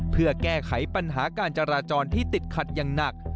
เพื่อแก้ไขปัญหาการจราจรที่ติดขัดอย่างหนัก